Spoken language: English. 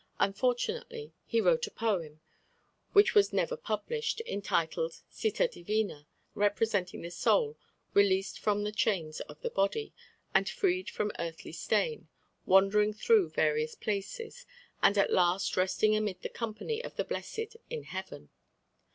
Unfortunately he wrote a poem, which was never published, entitled Citta Divina, representing the soul released from the chains of the body, and freed from earthly stain, wandering through various places, and at last resting amid the company of the blessed in heaven.